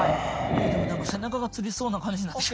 いやでも何か背中がつりそうな感じなんですけど。